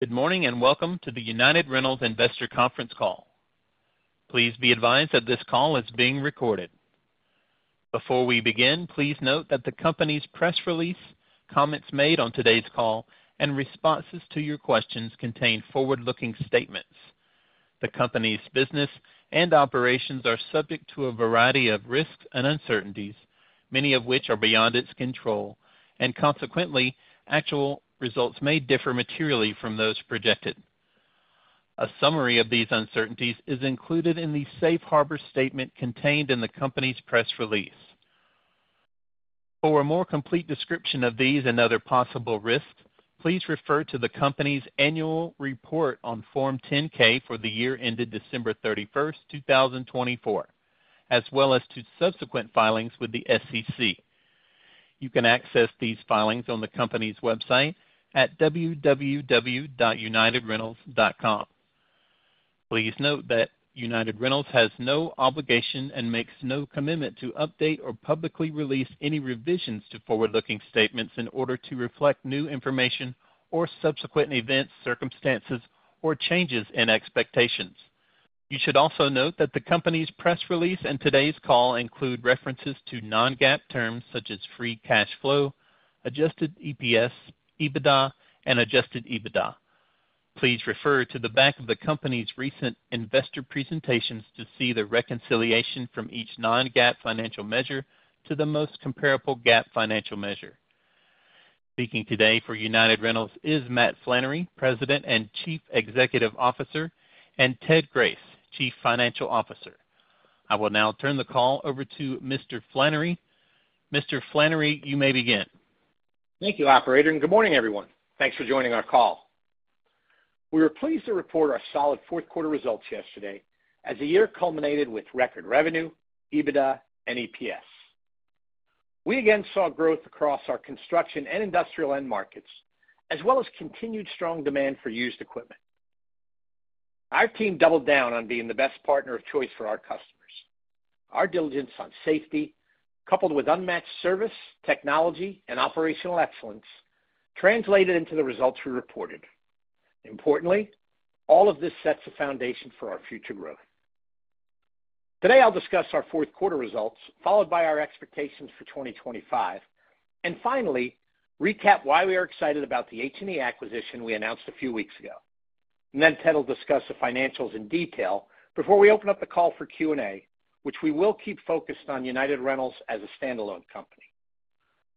Good morning and welcome to the United Rentals Investor Conference call. Please be advised that this call is being recorded. Before we begin, please note that the company's press release, comments made on today's call, and responses to your questions contain forward-looking statements. The company's business and operations are subject to a variety of risks and uncertainties, many of which are beyond its control, and consequently, actual results may differ materially from those projected. A summary of these uncertainties is included in the safe harbor statement contained in the company's press release. For a more complete description of these and other possible risks, please refer to the company's annual report on Form 10-K for the year ended December 31st, 2024, as well as to subsequent filings with the SEC. You can access these filings on the company's website at www.unitedrentals.com. Please note that United Rentals has no obligation and makes no commitment to update or publicly release any revisions to forward-looking statements in order to reflect new information or subsequent events, circumstances, or changes in expectations. You should also note that the company's press release and today's call include references to non-GAAP terms such as free cash flow, adjusted EPS, EBITDA, and adjusted EBITDA. Please refer to the back of the company's recent investor presentations to see the reconciliation from each non-GAAP financial measure to the most comparable GAAP financial measure. Speaking today for United Rentals is Matt Flannery, President and Chief Executive Officer, and Ted Grace, Chief Financial Officer. I will now turn the call over to Mr. Flannery. Mr. Flannery, you may begin. Thank you, Operator, and good morning, everyone. Thanks for joining our call. We were pleased to report our solid fourth-quarter results yesterday as the year culminated with record revenue, EBITDA, and EPS. We again saw growth across our construction and industrial end markets, as well as continued strong demand for used equipment. Our team doubled down on being the best partner of choice for our customers. Our diligence on safety, coupled with unmatched service, technology, and operational excellence, translated into the results we reported. Importantly, all of this sets the foundation for our future growth. Today, I'll discuss our fourth-quarter results, followed by our expectations for 2025, and finally, recap why we are excited about the H&E acquisition we announced a few weeks ago. Then Ted will discuss the financials in detail before we open up the call for Q&A, which we will keep focused on United Rentals as a standalone company.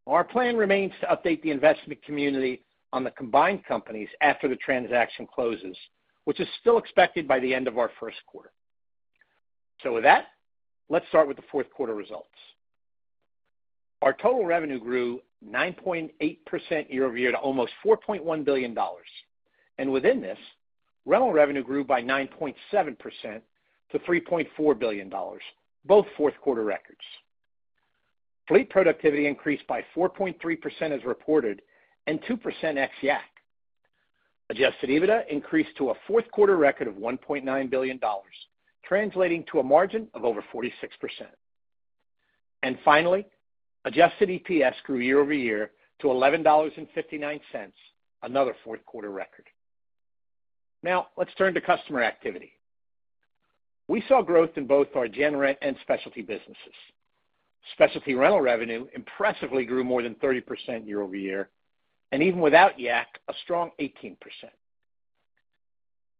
Our plan remains to update the investment community on the combined companies after the transaction closes, which is still expected by the end of our first quarter. So with that, let's start with the fourth-quarter results. Our total revenue grew 9.8% year-over-year to almost $4.1 billion, and within this, rental revenue grew by 9.7% to $3.4 billion, both fourth-quarter records. Fleet productivity increased by 4.3% as reported and 2% ex-Yak. Adjusted EBITDA increased to a fourth-quarter record of $1.9 billion, translating to a margin of over 46%. And finally, adjusted EPS grew year-over-year to $11.59, another fourth-quarter record. Now, let's turn to customer activity. We saw growth in both our gen rent and specialty businesses. Specialty Rental revenue impressively grew more than 30% year-over-year, and even without Yak, a strong 18%.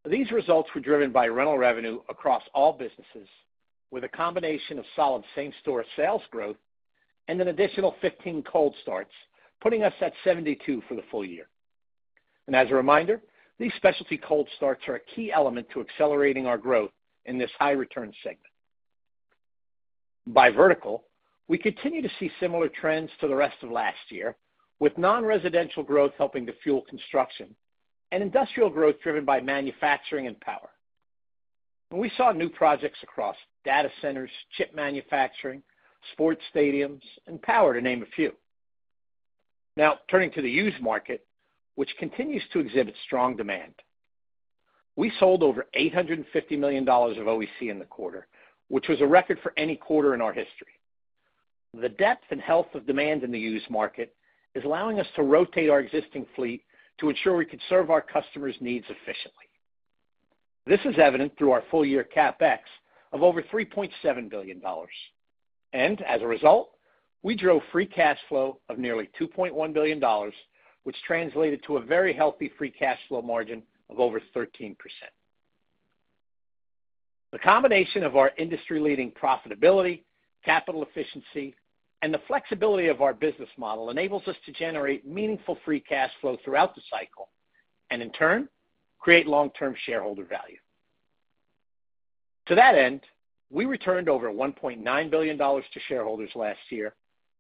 These results were driven by rental revenue across all businesses, with a combination of solid same-store sales growth and an additional 15 cold starts, putting us at 72 for the full year. As a reminder, these specialty cold starts are a key element to accelerating our growth in this high-return segment. By vertical, we continue to see similar trends to the rest of last year, with non-residential growth helping to fuel construction and industrial growth driven by manufacturing and power. We saw new projects across data centers, chip manufacturing, sports stadiums, and power, to name a few. Now, turning to the used market, which continues to exhibit strong demand. We sold over $850 million of OEC in the quarter, which was a record for any quarter in our history. The depth and health of demand in the used market is allowing us to rotate our existing fleet to ensure we could serve our customers' needs efficiently. This is evident through our full-year CapEx of over $3.7 billion. And as a result, we drove free cash flow of nearly $2.1 billion, which translated to a very healthy free cash flow margin of over 13%. The combination of our industry-leading profitability, capital efficiency, and the flexibility of our business model enables us to generate meaningful free cash flow throughout the cycle and, in turn, create long-term shareholder value. To that end, we returned over $1.9 billion to shareholders last year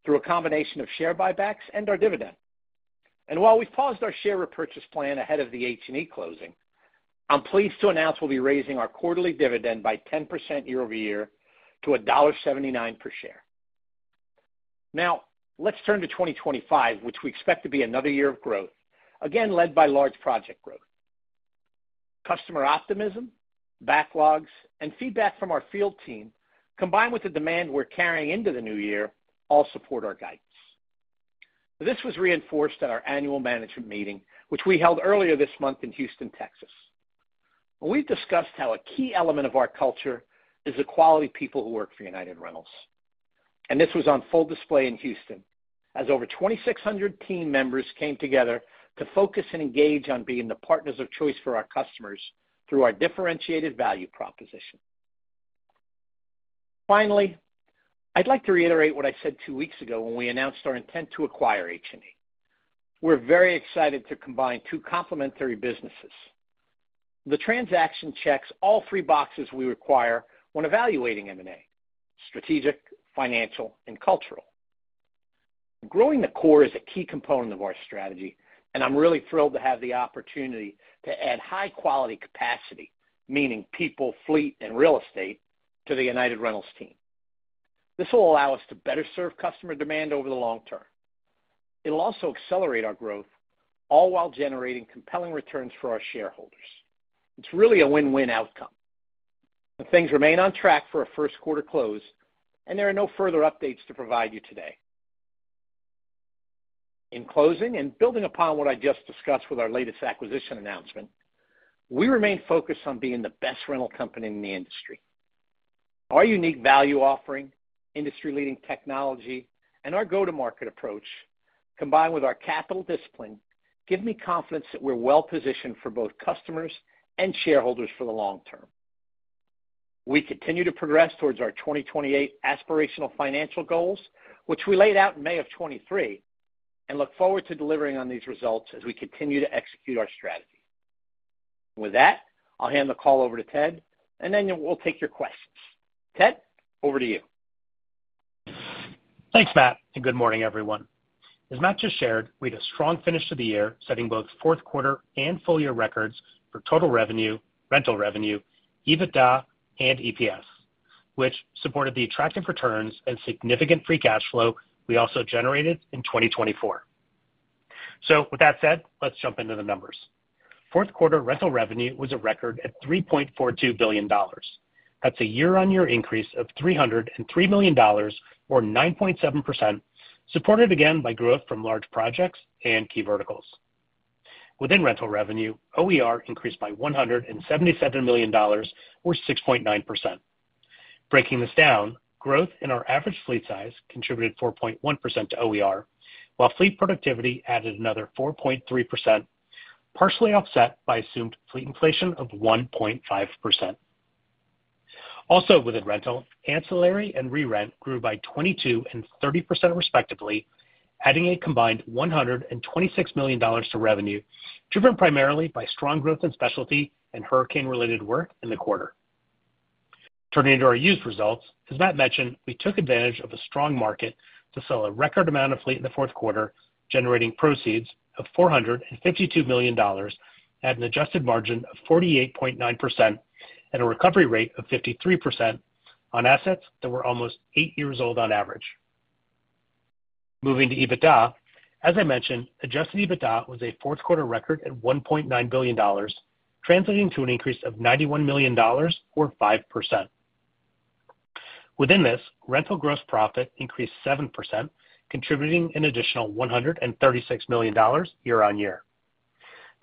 through a combination of share buybacks and our dividend. And while we've paused our share repurchase plan ahead of the H&E closing, I'm pleased to announce we'll be raising our quarterly dividend by 10% year-over-year to $1.79 per share. Now, let's turn to 2025, which we expect to be another year of growth, again led by large project growth. Customer optimism, backlogs, and feedback from our field team, combined with the demand we're carrying into the new year, all support our guidance. This was reinforced at our annual management meeting, which we held earlier this month in Houston, Texas. We've discussed how a key element of our culture is the quality people who work for United Rentals. And this was on full display in Houston as over 2,600 team members came together to focus and engage on being the partners of choice for our customers through our differentiated value proposition. Finally, I'd like to reiterate what I said two weeks ago when we announced our intent to acquire H&E. We're very excited to combine two complementary businesses. The transaction checks all three boxes we require when evaluating M&A: strategic, financial, and cultural. Growing the core is a key component of our strategy, and I'm really thrilled to have the opportunity to add high-quality capacity, meaning people, fleet, and real estate, to the United Rentals team. This will allow us to better serve customer demand over the long term. It'll also accelerate our growth, all while generating compelling returns for our shareholders. It's really a win-win outcome. Things remain on track for a first-quarter close, and there are no further updates to provide you today. In closing and building upon what I just discussed with our latest acquisition announcement, we remain focused on being the best rental company in the industry. Our unique value offering, industry-leading technology, and our go-to-market approach, combined with our capital discipline, give me confidence that we're well-positioned for both customers and shareholders for the long term. We continue to progress towards our 2028 aspirational financial goals, which we laid out in May of 2023, and look forward to delivering on these results as we continue to execute our strategy. With that, I'll hand the call over to Ted, and then we'll take your questions. Ted, over to you. Thanks, Matt, and good morning, everyone. As Matt just shared, we had a strong finish to the year, setting both fourth-quarter and full-year records for total revenue, rental revenue, EBITDA, and EPS, which supported the attractive returns and significant free cash flow we also generated in 2024. So with that said, let's jump into the numbers. Fourth-quarter rental revenue was a record at $3.42 billion. That's a year-on-year increase of $303 million, or 9.7%, supported again by growth from large projects and key verticals. Within rental revenue, OER increased by $177 million, or 6.9%. Breaking this down, growth in our average fleet size contributed 4.1% to OER, while fleet productivity added another 4.3%, partially offset by assumed fleet inflation of 1.5%. Also, within rental, ancillary and re-rent grew by 22% and 30%, respectively, adding a combined $126 million to revenue, driven primarily by strong growth in specialty and hurricane-related work in the quarter. Turning to our used results, as Matt mentioned, we took advantage of a strong market to sell a record amount of fleet in the fourth quarter, generating proceeds of $452 million, had an adjusted margin of 48.9%, and a recovery rate of 53% on assets that were almost eight years old on average. Moving to EBITDA, as I mentioned, adjusted EBITDA was a fourth-quarter record at $1.9 billion, translating to an increase of $91 million, or 5%. Within this, rental gross profit increased 7%, contributing an additional $136 million year-on-year.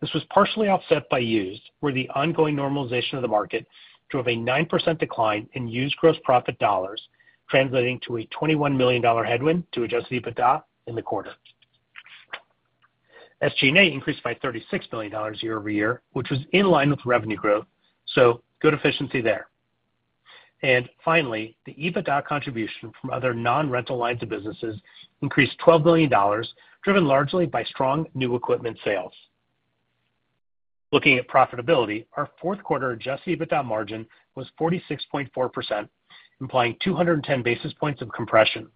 This was partially offset by used, where the ongoing normalization of the market drove a 9% decline in used gross profit dollars, translating to a $21 million headwind to adjusted EBITDA in the quarter. SG&A increased by $36 million year-over-year, which was in line with revenue growth, so good efficiency there. And finally, the EBITDA contribution from other non-rental lines of businesses increased $12 million, driven largely by strong new equipment sales. Looking at profitability, our fourth-quarter adjusted EBITDA margin was 46.4%, implying 210 basis points of compression.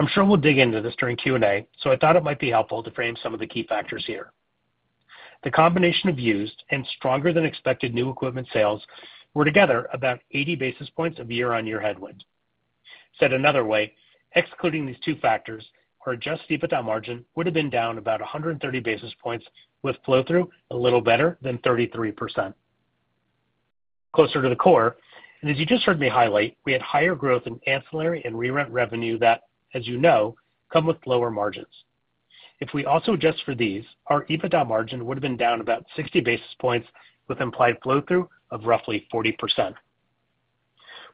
I'm sure we'll dig into this during Q&A, so I thought it might be helpful to frame some of the key factors here. The combination of used and stronger-than-expected new equipment sales were together about 80 basis points of year-on-year headwind. Said another way, excluding these two factors, our Adjusted EBITDA margin would have been down about 130 basis points, with flow-through a little better than 33%. Closer to the core, and as you just heard me highlight, we had higher growth in ancillary and re-rent revenue that, as you know, come with lower margins. If we also adjust for these, our EBITDA margin would have been down about 60 basis points, with implied flow-through of roughly 40%.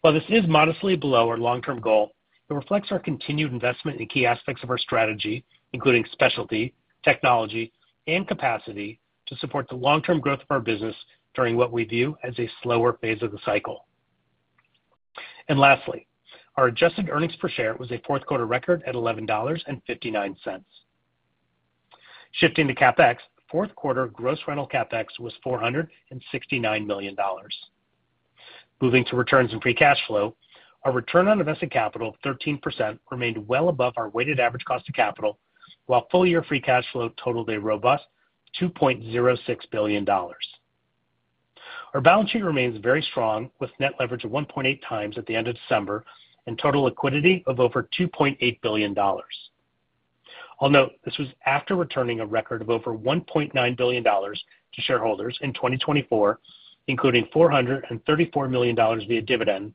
While this is modestly below our long-term goal, it reflects our continued investment in key aspects of our strategy, including specialty, technology, and capacity to support the long-term growth of our business during what we view as a slower phase of the cycle, and lastly, our adjusted earnings per share was a fourth-quarter record at $11.59. Shifting to CapEx, fourth-quarter gross rental CapEx was $469 million. Moving to returns and free cash flow, our return on invested capital of 13% remained well above our weighted average cost of capital, while full-year free cash flow totaled a robust $2.06 billion. Our balance sheet remains very strong, with net leverage of 1.8 times at the end of December and total liquidity of over $2.8 billion. I'll note this was after returning a record of over $1.9 billion to shareholders in 2024, including $434 million via dividend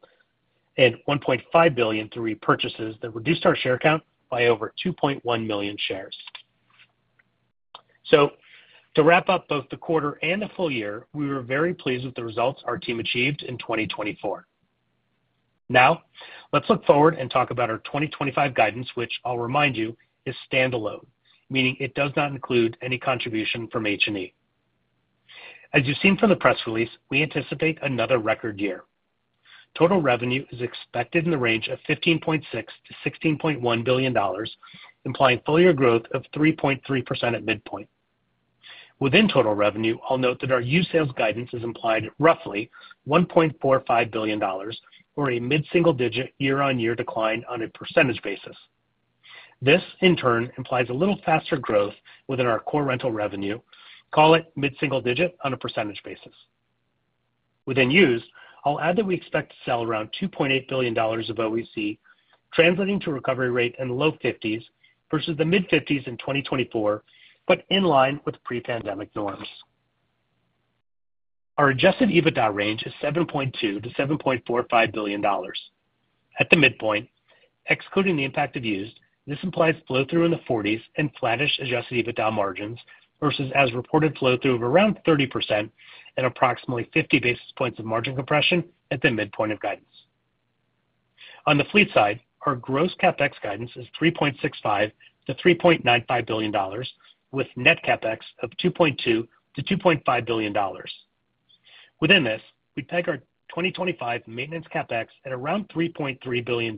and $1.5 billion through repurchases that reduced our share count by over 2.1 million shares. So to wrap up both the quarter and the full year, we were very pleased with the results our team achieved in 2024. Now, let's look forward and talk about our 2025 guidance, which I'll remind you is standalone, meaning it does not include any contribution from H&E. As you've seen from the press release, we anticipate another record year. Total revenue is expected in the range of $15.6-$16.1 billion, implying full-year growth of 3.3% at midpoint. Within total revenue, I'll note that our used sales guidance is implied at roughly $1.45 billion, or a mid-single-digit year-on-year decline on a percentage basis. This, in turn, implies a little faster growth within our core rental revenue, call it mid-single digit on a percentage basis. Within used, I'll add that we expect to sell around $2.8 billion of OEC, translating to a recovery rate in the low 50s versus the mid-50s in 2024, but in line with pre-pandemic norms. Our adjusted EBITDA range is $7.2 billion-$7.45 billion. At the midpoint, excluding the impact of used, this implies flow-through in the 40s and flattish Adjusted EBITDA margins versus as reported flow-through of around 30% and approximately 50 basis points of margin compression at the midpoint of guidance. On the fleet side, our gross CapEx guidance is $3.65 billion-$3.95 billion, with net CapEx of $2.2 billion-$2.5 billion. Within this, we peg our 2025 maintenance CapEx at around $3.3 billion,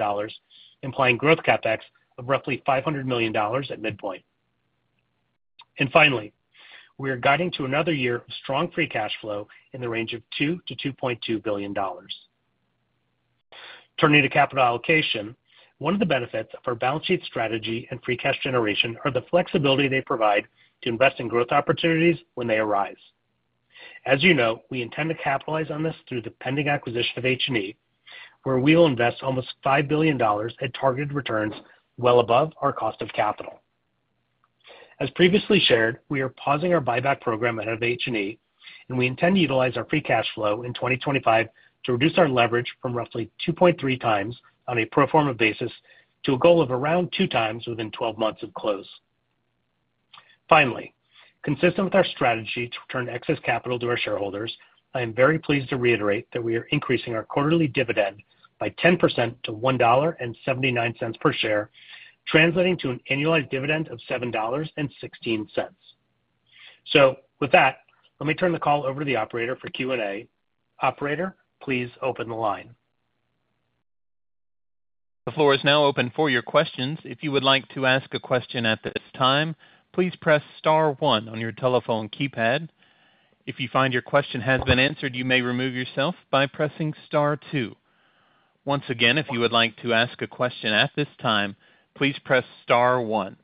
implying growth CapEx of roughly $500 million at midpoint. And finally, we are guiding to another year of strong free cash flow in the range of $2 billion-$2.2 billion. Turning to capital allocation, one of the benefits of our balance sheet strategy and free cash generation are the flexibility they provide to invest in growth opportunities when they arise. As you know, we intend to capitalize on this through the pending acquisition of H&E, where we will invest almost $5 billion at targeted returns well above our cost of capital. As previously shared, we are pausing our buyback program ahead of H&E, and we intend to utilize our free cash flow in 2025 to reduce our leverage from roughly 2.3 times on a pro forma basis to a goal of around 2 times within 12 months of close. Finally, consistent with our strategy to return excess capital to our shareholders, I am very pleased to reiterate that we are increasing our quarterly dividend by 10% to $1.79 per share, translating to an annualized dividend of $7.16. So with that, let me turn the call over to the operator for Q&A. Operator, please open the line. The floor is now open for your questions. If you would like to ask a question at this time, please press star one on your telephone keypad. If you find your question has been answered, you may remove yourself by pressing star two. Once again, if you would like to ask a question at this time, please press star one.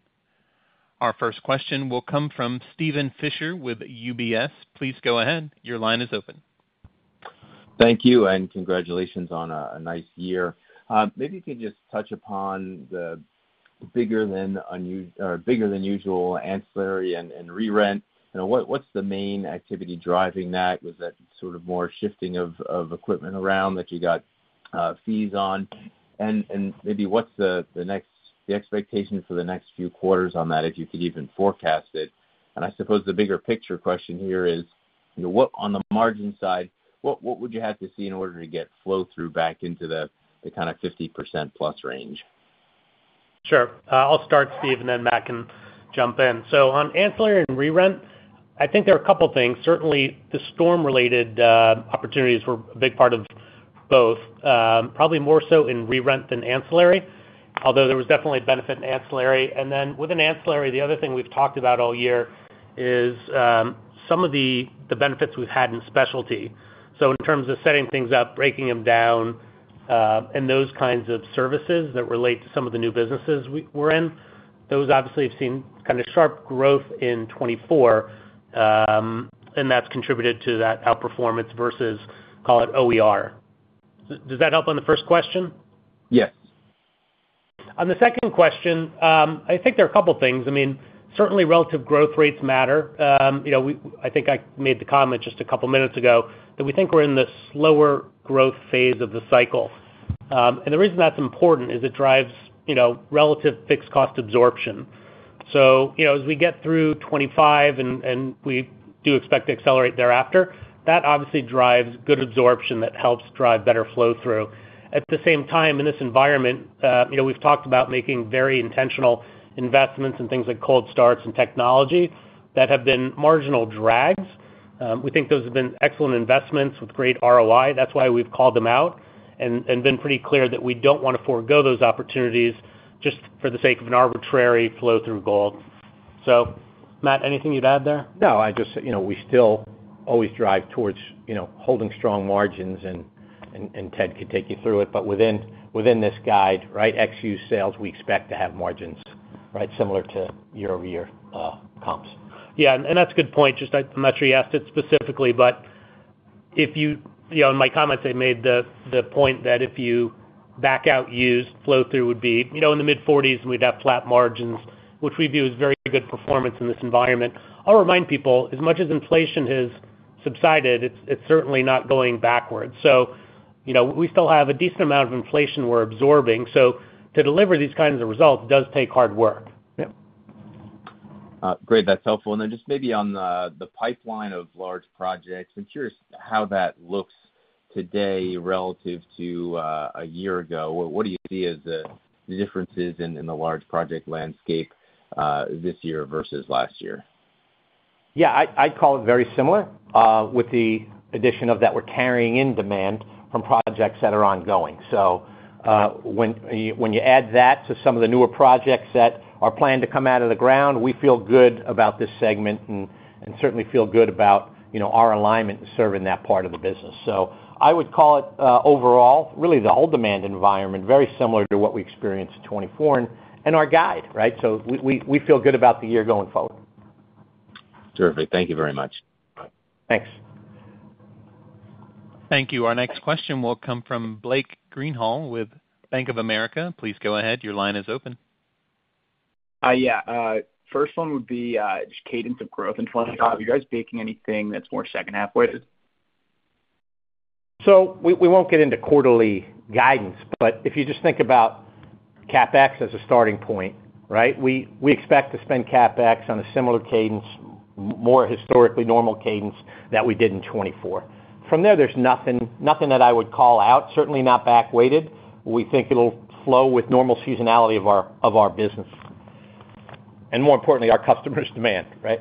Our first question will come from Steven Fisher with UBS. Please go ahead. Your line is open. Thank you, and congratulations on a nice year. Maybe you could just touch upon the bigger than usual ancillary and re-rent. What's the main activity driving that? Was that sort of more shifting of equipment around that you got fees on? And maybe what's the expectation for the next few quarters on that, if you could even forecast it? And I suppose the bigger picture question here is, on the margin side, what would you have to see in order to get flow-through back into the kind of 50%+ range? Sure. I'll start, Steve, and then Matt can jump in. So on ancillary and re-rent, I think there are a couple of things. Certainly, the storm-related opportunities were a big part of both, probably more so in re-rent than ancillary, although there was definitely a benefit in ancillary. And then within ancillary, the other thing we've talked about all year is some of the benefits we've had in specialty. So in terms of setting things up, breaking them down, and those kinds of services that relate to some of the new businesses we're in, those obviously have seen kind of sharp growth in 2024, and that's contributed to that outperformance versus, call it, OER. Does that help on the first question? Yes. On the second question, I think there are a couple of things. I mean, certainly, relative growth rates matter. I think I made the comment just a couple of minutes ago that we think we're in the slower growth phase of the cycle. And the reason that's important is it drives relative fixed cost absorption. So as we get through 2025 and we do expect to accelerate thereafter, that obviously drives good absorption that helps drive better flow-through. At the same time, in this environment, we've talked about making very intentional investments in things like cold starts and technology that have been marginal drags. We think those have been excellent investments with great ROI. That's why we've called them out and been pretty clear that we don't want to forego those opportunities just for the sake of an arbitrary flow-through goal. So, Matt, anything you'd add there? No, we still always drive towards holding strong margins, and Ted could take you through it. But within this guide, right, ex-used sales, we expect to have margins similar to year-over-year comps. Yeah, and that's a good point. Just, I'm not sure you asked it specifically, but in my comments, I made the point that if you back out used, flow-through would be in the mid-40s, and we'd have flat margins, which we view as very good performance in this environment. I'll remind people, as much as inflation has subsided, it's certainly not going backwards, so we still have a decent amount of inflation we're absorbing, so to deliver these kinds of results does take hard work. Yep. Great. That's helpful. And then just maybe on the pipeline of large projects, I'm curious how that looks today relative to a year ago. What do you see as the differences in the large project landscape this year versus last year? Yeah, I'd call it very similar with the addition of that we're carrying in demand from projects that are ongoing. So when you add that to some of the newer projects that are planned to come out of the ground, we feel good about this segment and certainly feel good about our alignment and serving that part of the business. So I would call it overall, really the whole demand environment, very similar to what we experienced 2024 and our guide, right? So we feel good about the year going forward. Terrific. Thank you very much. Thanks. Thank you. Our next question will come from Blake Greenhalgh with Bank of America. Please go ahead. Your line is open. Yeah. First one would be just cadence of growth in 2025. Are you guys baking anything that's more second half weighted? So we won't get into quarterly guidance, but if you just think about CapEx as a starting point, right, we expect to spend CapEx on a similar cadence, more historically normal cadence that we did in 2024. From there, there's nothing that I would call out, certainly not back-weighted. We think it'll flow with normal seasonality of our business and, more importantly, our customers' demand, right?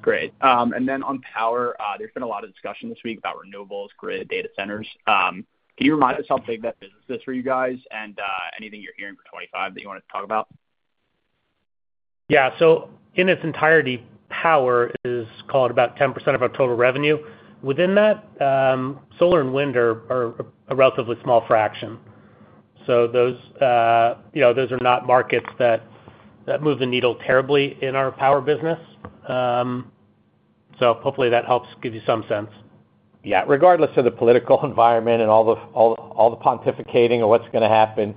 Great. And then on power, there's been a lot of discussion this week about renewables, grid, data centers. Can you remind us how big that business is for you guys and anything you're hearing for 2025 that you want to talk about? Yeah. So in its entirety, power is called about 10% of our total revenue. Within that, solar and wind are a relatively small fraction. So those are not markets that move the needle terribly in our power business. So hopefully that helps give you some sense. Yeah. Regardless of the political environment and all the pontificating of what's going to happen,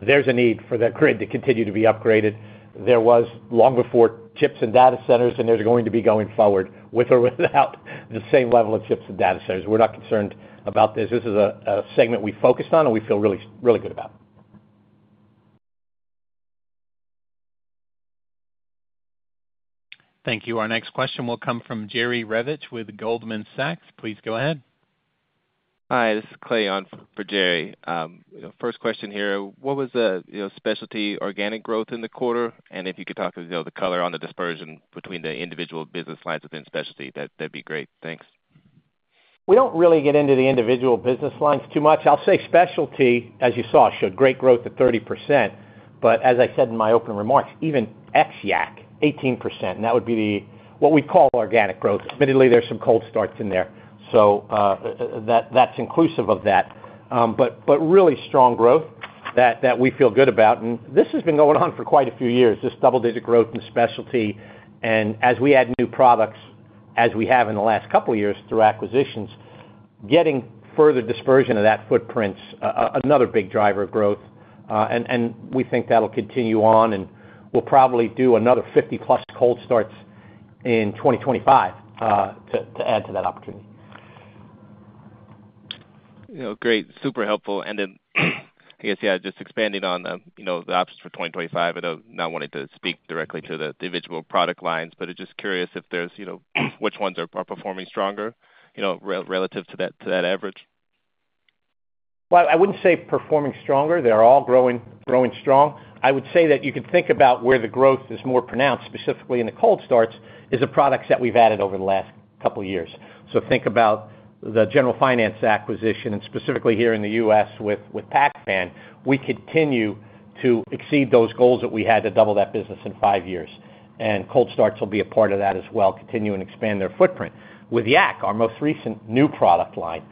there's a need for that grid to continue to be upgraded. There was long before chips and data centers, and there's going to be going forward with or without the same level of chips and data centers. We're not concerned about this. This is a segment we focused on and we feel really good about. Thank you. Our next question will come from Jerry Revich with Goldman Sachs. Please go ahead. Hi. This is Clay for Jerry. First question here. What was the specialty organic growth in the quarter? And if you could talk about the color on the dispersion between the individual business lines within specialty, that'd be great. Thanks. We don't really get into the individual business lines too much. I'll say specialty, as you saw, showed great growth at 30%. But as I said in my opening remarks, even ex-Yak, 18%, and that would be what we call organic growth. Admittedly, there's some cold starts in there. So that's inclusive of that. But really strong growth that we feel good about. And this has been going on for quite a few years, just double-digit growth in specialty. And as we add new products, as we have in the last couple of years through acquisitions, getting further dispersion of that footprint's another big driver of growth. And we think that'll continue on, and we'll probably do another 50+ cold starts in 2025 to add to that opportunity. Great. Super helpful. And then, I guess, yeah, just expanding on the options for 2025. I don't want to speak directly to the individual product lines, but just curious if there's which ones are performing stronger relative to that average? I wouldn't say performing stronger. They're all growing strong. I would say that you could think about where the growth is more pronounced, specifically in the cold starts, is the products that we've added over the last couple of years. Think about the General Finance acquisition, and specifically here in the U.S. with Pac-Van, we continue to exceed those goals that we had to double that business in five years, and cold starts will be a part of that as well, continue and expand their footprint. With Yak, our most recent new product line,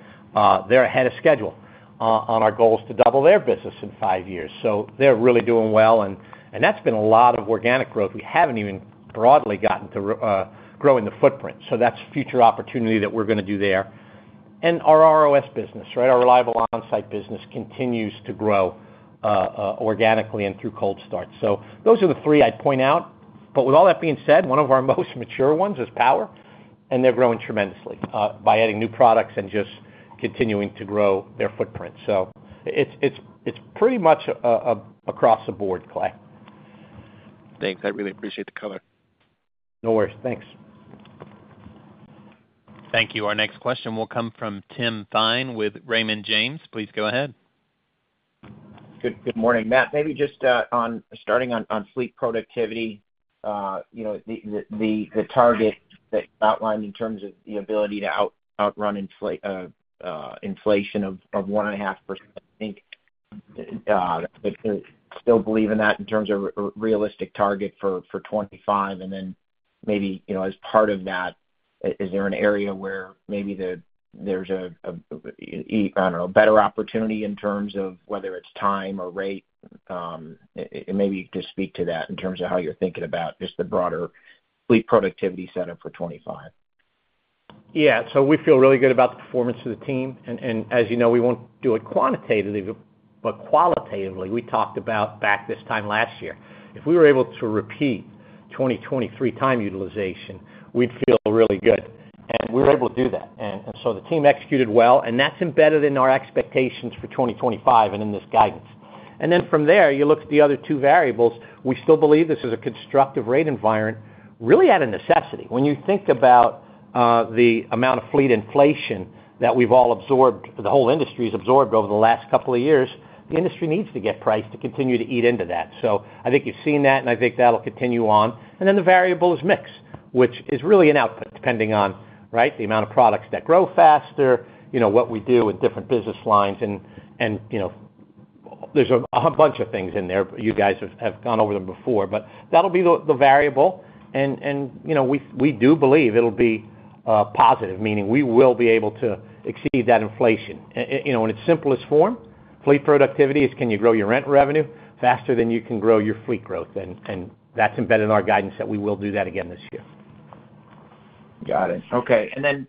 they're ahead of schedule on our goals to double their business in five years. They're really doing well, and that's been a lot of organic growth. We haven't even broadly gotten to growing the footprint. That's a future opportunity that we're going to do there. And our ROS business, right, our Reliable Onsite business continues to grow organically and through cold starts. So those are the three I'd point out. But with all that being said, one of our most mature ones is power, and they're growing tremendously by adding new products and just continuing to grow their footprint. So it's pretty much across the board, Clay. Thanks. I really appreciate the cover. No worries. Thanks. Thank you. Our next question will come from Tim Thein with Raymond James. Please go ahead. Good morning, Matt. Maybe just starting on fleet productivity, the target that you outlined in terms of the ability to outrun inflation of 1.5%, I think. Still believe in that in terms of a realistic target for 2025. And then maybe as part of that, is there an area where maybe there's a, I don't know, better opportunity in terms of whether it's time or rate? And maybe you could just speak to that in terms of how you're thinking about just the broader fleet productivity setup for 2025. Yeah. So we feel really good about the performance of the team, and as you know, we won't do it quantitatively, but qualitatively. We talked about, back this time last year, if we were able to repeat 2023 time utilization, we'd feel really good, and we were able to do that, and so the team executed well, and that's embedded in our expectations for 2025 and in this guidance, and then from there, you look at the other two variables. We still believe this is a constructive rate environment, really out of necessity. When you think about the amount of fleet inflation that we've all absorbed, the whole industry has absorbed over the last couple of years, the industry needs to get priced to continue to eat into that, so I think you've seen that, and I think that'll continue on. And then the variable is mix, which is really an output depending on, right, the amount of products that grow faster, what we do in different business lines. And there's a bunch of things in there. You guys have gone over them before, but that'll be the variable. And we do believe it'll be positive, meaning we will be able to exceed that inflation in its simplest form. Fleet productivity is can you grow your rent revenue faster than you can grow your fleet growth? And that's embedded in our guidance that we will do that again this year. Got it. Okay. And then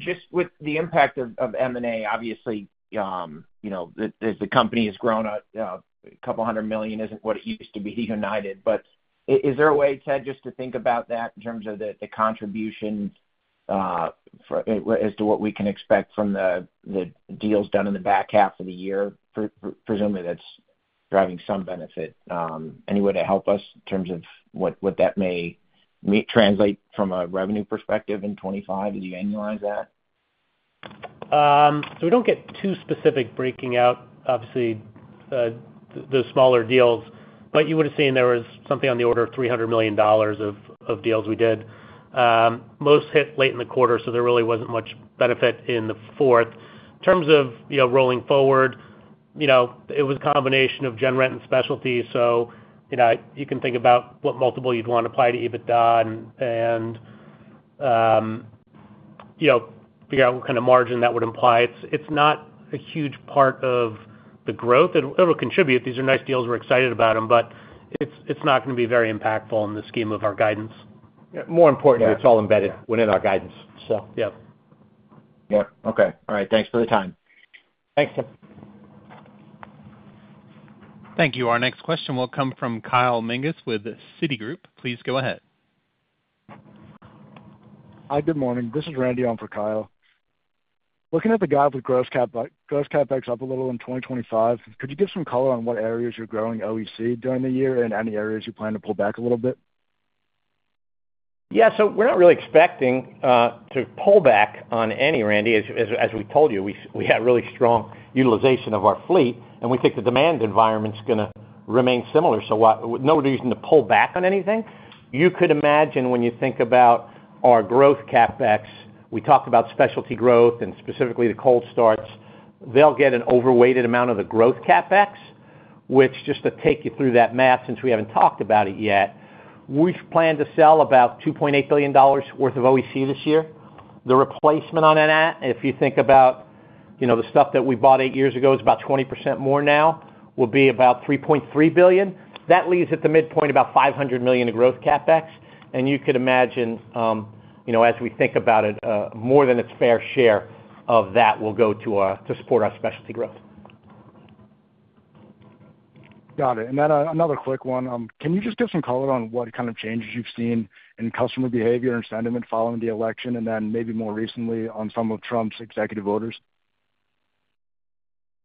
just with the impact of M&A, obviously, as the company has grown, a couple hundred million isn't what it used to be to United. But is there a way, Ted, just to think about that in terms of the contribution as to what we can expect from the deals done in the back half of the year? Presumably, that's driving some benefit. Any way to help us in terms of what that may translate from a revenue perspective in 2025? Did you annualize that? So we don't get too specific breaking out, obviously, the smaller deals. But you would have seen there was something on the order of $300 million of deals we did. Most hit late in the quarter, so there really wasn't much benefit in the fourth. In terms of rolling forward, it was a combination of gen rent and specialty. So you can think about what multiple you'd want to apply to EBITDA and figure out what kind of margin that would imply. It's not a huge part of the growth. It'll contribute. These are nice deals. We're excited about them, but it's not going to be very impactful in the scheme of our guidance. Yeah. More importantly, it's all embedded within our guidance, so. Yeah. Yeah. Okay. All right. Thanks for the time. Thanks, Tim. Thank you. Our next question will come from Kyle Menges with Citigroup. Please go ahead. Hi, good morning. This is Randy on for Kyle. Looking at the guide with gross CapEx up a little in 2025, could you give some color on what areas you're growing OEC during the year and any areas you plan to pull back a little bit? Yeah. So we're not really expecting to pull back on any, Randy. As we told you, we have really strong utilization of our fleet, and we think the demand environment's going to remain similar. So no reason to pull back on anything. You could imagine when you think about our growth CapEx, we talked about specialty growth and specifically the cold starts. They'll get an overweight amount of the growth CapEx, which just to take you through that math, since we haven't talked about it yet, we've planned to sell about $2.8 billion worth of OEC this year. The replacement on that, if you think about the stuff that we bought eight years ago, is about 20% more now, will be about $3.3 billion. That leaves at the midpoint about $500 million of growth CapEx. You could imagine, as we think about it, more than its fair share of that will go to support our specialty growth. Got it. And then another quick one. Can you just give some color on what kind of changes you've seen in customer behavior and sentiment following the election and then maybe more recently on some of Trump's executive orders?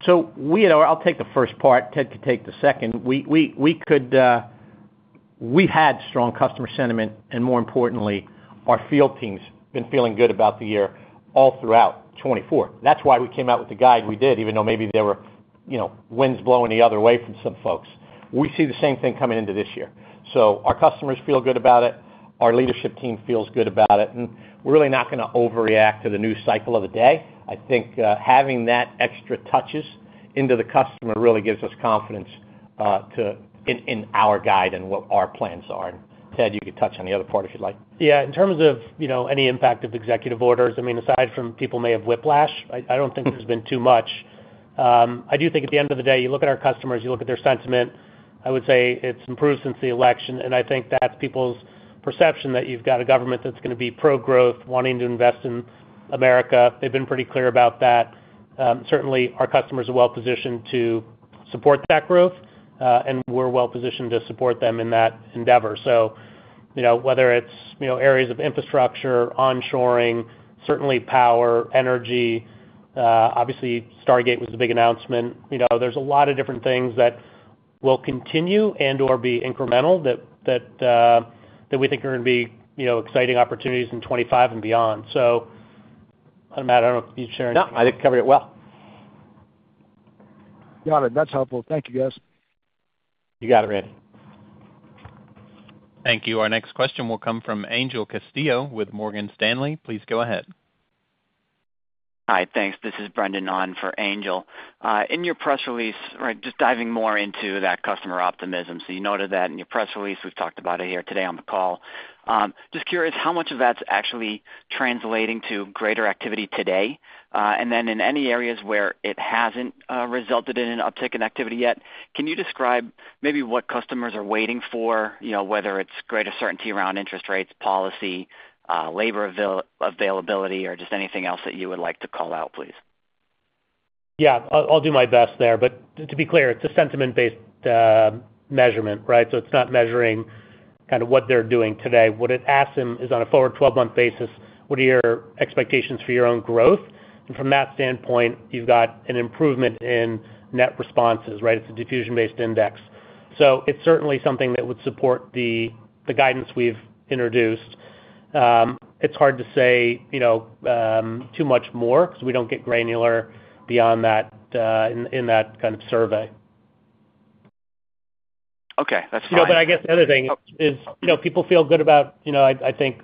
I'll take the first part. Ted could take the second. We've had strong customer sentiment, and more importantly, our field teams have been feeling good about the year all throughout 2024. That's why we came out with the guide we did, even though maybe there were winds blowing the other way from some folks. We see the same thing coming into this year. Our customers feel good about it. Our leadership team feels good about it. We're really not going to overreact to the new cycle of the day. I think having that extra touches into the customer really gives us confidence in our guide and what our plans are. Ted, you could touch on the other part if you'd like. Yeah. In terms of any impact of executive orders, I mean, aside from people may have whiplash, I don't think there's been too much. I do think at the end of the day, you look at our customers, you look at their sentiment, I would say it's improved since the election. And I think that's people's perception that you've got a government that's going to be pro-growth, wanting to invest in America. They've been pretty clear about that. Certainly, our customers are well-positioned to support that growth, and we're well-positioned to support them in that endeavor. So whether it's areas of infrastructure, onshoring, certainly power, energy. Obviously, Stargate was a big announcement. There's a lot of different things that will continue and/or be incremental that we think are going to be exciting opportunities in 2025 and beyond. So, Matt, I don't know if you've shared anything. No, I think you covered it well. Got it. That's helpful. Thank you, guys. You got it, Randy. Thank you. Our next question will come from Angel Castillo with Morgan Stanley. Please go ahead. Hi. Thanks. This is Brendan on for Angel. In your press release, just diving more into that customer optimism. So you noted that in your press release. We've talked about it here today on the call. Just curious how much of that's actually translating to greater activity today, and then in any areas where it hasn't resulted in an uptick in activity yet, can you describe maybe what customers are waiting for, whether it's greater certainty around interest rates, policy, labor availability, or just anything else that you would like to call out, please? Yeah. I'll do my best there. But to be clear, it's a sentiment-based measurement, right? So it's not measuring kind of what they're doing today. What it asks them is on a forward 12-month basis, what are your expectations for your own growth? And from that standpoint, you've got an improvement in net responses, right? It's a diffusion-based index. So it's certainly something that would support the guidance we've introduced. It's hard to say too much more because we don't get granular beyond that in that kind of survey. Okay. That's fine. But I guess the other thing is people feel good about, I think,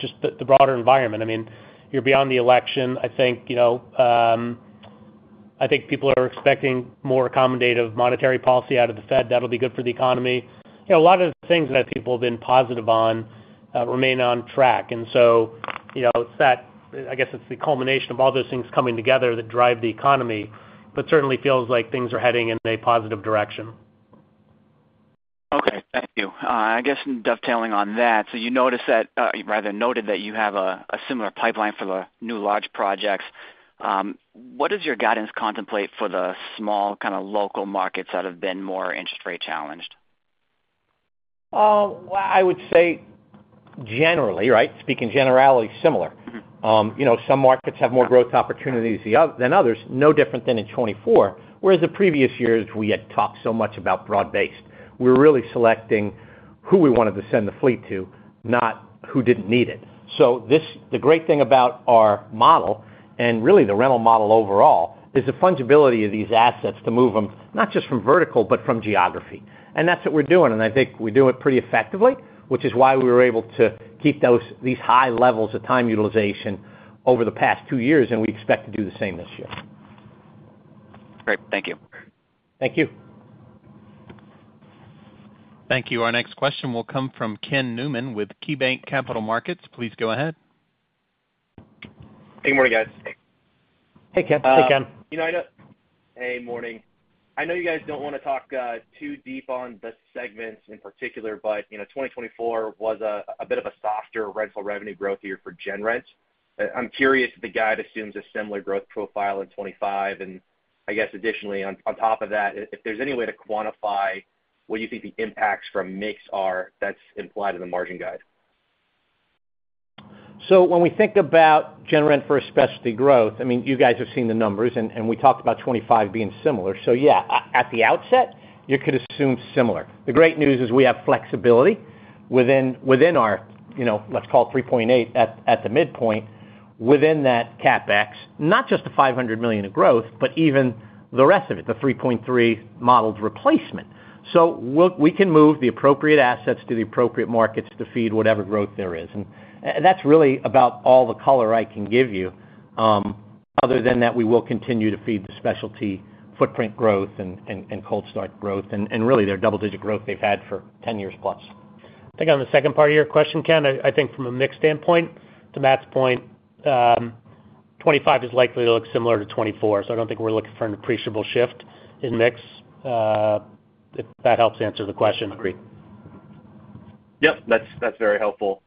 just the broader environment. I mean, you're beyond the election. I think people are expecting more accommodative monetary policy out of the Fed. That'll be good for the economy. A lot of the things that people have been positive on remain on track. And so I guess it's the culmination of all those things coming together that drive the economy, but certainly feels like things are heading in a positive direction. Okay. Thank you. I guess dovetailing on that, so you noted that you have a similar pipeline for the new large projects. What does your guidance contemplate for the small kind of local markets that have been more interest rate challenged? I would say generally, right? Speaking generality, similar. Some markets have more growth opportunities than others, no different than in 2024, whereas the previous years, we had talked so much about broad-based. We were really selecting who we wanted to send the fleet to, not who didn't need it. So the great thing about our model and really the rental model overall is the fungibility of these assets to move them not just from vertical, but from geography. And that's what we're doing. And I think we're doing it pretty effectively, which is why we were able to keep these high levels of time utilization over the past two years, and we expect to do the same this year. Great. Thank you. Thank you. Thank you. Our next question will come from Ken Newman with KeyBanc Capital Markets. Please go ahead. Hey, morning, guys. Hey, Ken. Hey, Ken. Hey, morning. I know you guys don't want to talk too deep on the segments in particular, but 2024 was a bit of a softer rental revenue growth year for gen rent. I'm curious if the guide assumes a similar growth profile in 2025. I guess additionally, on top of that, if there's any way to quantify what you think the impacts from mix are, that's implied in the margin guide. So when we think about gen rent for specialty growth, I mean, you guys have seen the numbers, and we talked about 2025 being similar. So yeah, at the outset, you could assume similar. The great news is we have flexibility within our, let's call it $3.8 billion at the midpoint, within that CapEx, not just the $500 million of growth, but even the rest of it, the $3.3 billion modeled replacement. So we can move the appropriate assets to the appropriate markets to feed whatever growth there is. And that's really about all the color I can give you. Other than that, we will continue to feed the specialty footprint growth and cold start growth and really their double-digit growth they've had for 10+ years. I think on the second part of your question, Ken, I think from a mix standpoint, to Matt's point, 2025 is likely to look similar to 2024. So I don't think we're looking for an appreciable shift in mix, if that helps answer the question. Agreed. Yep. That's very helpful.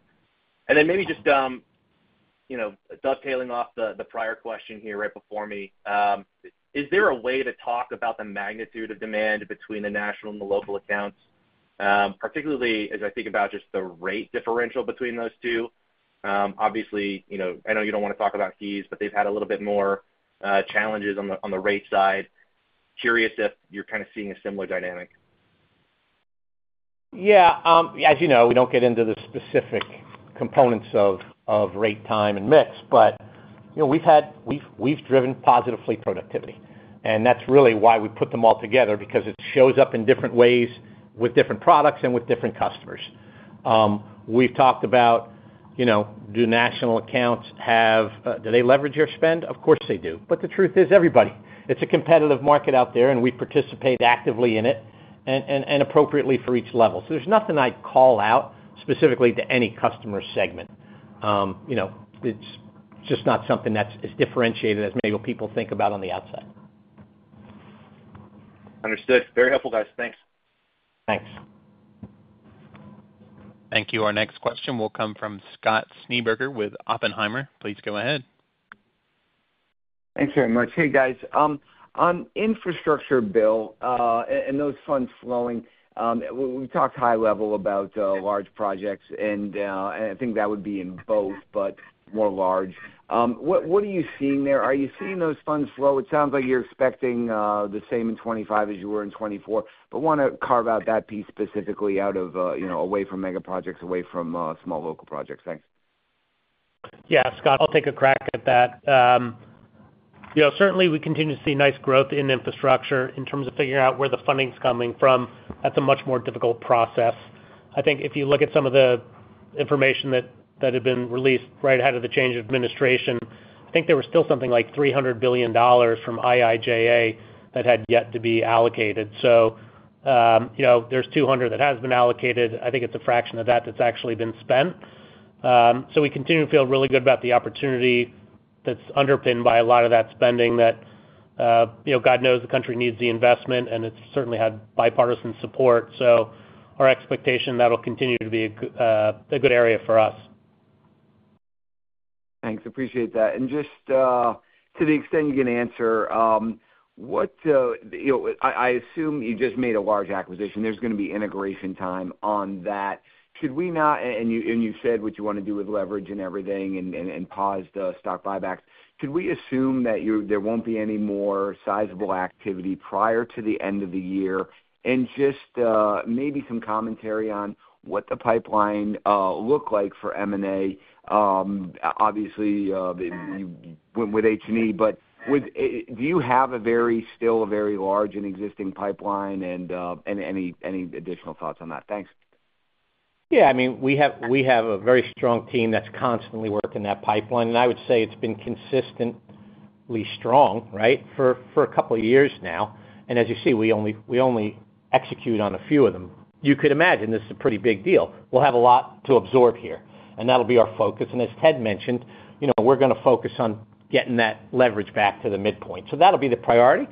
And then maybe just dovetailing off the prior question here right before me, is there a way to talk about the magnitude of demand between the national and the local accounts, particularly as I think about just the rate differential between those two? Obviously, I know you don't want to talk about H&E, but they've had a little bit more challenges on the rate side. Curious if you're kind of seeing a similar dynamic. Yeah. As you know, we don't get into the specific components of rate time and mix, but we've driven positive fleet productivity. And that's really why we put them all together, because it shows up in different ways with different products and with different customers. We've talked about, do national accounts have? Do they leverage your spend? Of course they do. But the truth is everybody. It's a competitive market out there, and we participate actively in it and appropriately for each level. So there's nothing I'd call out specifically to any customer segment. It's just not something that's as differentiated as maybe what people think about on the outside. Understood. Very helpful, guys. Thanks. Thanks. Thank you. Our next question will come from Scott Schneeberger with Oppenheimer. Please go ahead. Thanks very much. Hey, guys. On infrastructure bill and those funds flowing, we talked high level about large projects, and I think that would be in both, but more large. What are you seeing there? Are you seeing those funds flow? It sounds like you're expecting the same in 2025 as you were in 2024, but I want to carve out that piece specifically out of the way from mega projects, away from small local projects. Thanks. Yeah. Scott, I'll take a crack at that. Certainly, we continue to see nice growth in infrastructure. In terms of figuring out where the funding's coming from, that's a much more difficult process. I think if you look at some of the information that had been released right ahead of the change of administration, I think there was still something like $300 billion from IIJA that had yet to be allocated. So there's $200 billion that has been allocated. I think it's a fraction of that that's actually been spent. So we continue to feel really good about the opportunity that's underpinned by a lot of that spending that God knows the country needs the investment, and it's certainly had bipartisan support. So our expectation that'll continue to be a good area for us. Thanks. Appreciate that. And just to the extent you can answer, I assume you just made a large acquisition. There's going to be integration time on that. Should we not, and you said what you want to do with leverage and everything and pause the stock buybacks, could we assume that there won't be any more sizable activity prior to the end of the year? And just maybe some commentary on what the pipeline looked like for M&A, obviously, with H&E. But do you have still a very large and existing pipeline and any additional thoughts on that? Thanks. Yeah. I mean, we have a very strong team that's constantly working that pipeline. And I would say it's been consistently strong, right, for a couple of years now. And as you see, we only execute on a few of them. You could imagine this is a pretty big deal. We'll have a lot to absorb here, and that'll be our focus. And as Ted mentioned, we're going to focus on getting that leverage back to the midpoint. So that'll be the priority.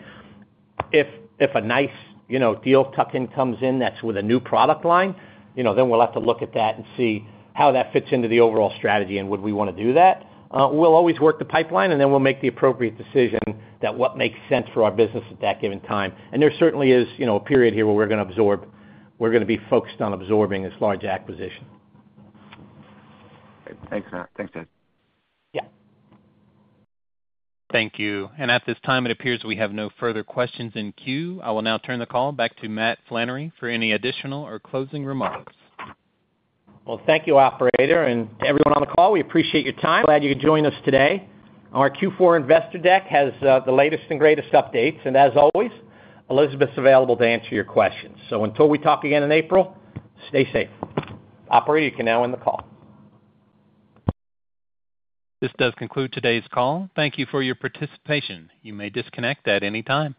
If a nice deal tuck-in comes in that's with a new product line, then we'll have to look at that and see how that fits into the overall strategy and would we want to do that. We'll always work the pipeline, and then we'll make the appropriate decision that what makes sense for our business at that given time. There certainly is a period here where we're going to absorb. We're going to be focused on absorbing this large acquisition. Thanks, Matt. Thanks, Ted. Yeah. Thank you. And at this time, it appears we have no further questions in queue. I will now turn the call back to Matt Flannery for any additional or closing remarks. Thank you, operator, and everyone on the call. We appreciate your time. Glad you could join us today. Our Q4 Investor Deck has the latest and greatest updates. As always, Elizabeth's available to answer your questions. Until we talk again in April, stay safe. Operator, you can now end the call. This does conclude today's call. Thank you for your participation. You may disconnect at any time.